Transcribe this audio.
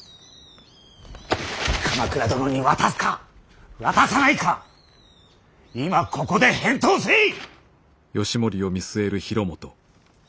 鎌倉殿に渡すか渡さないか今ここで返答せい！